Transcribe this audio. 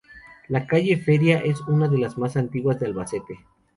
La calle Feria es una de las más antiguas de Albacete.